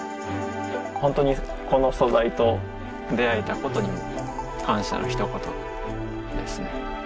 ホントにこの素材と出会えたことに感謝のひと言ですね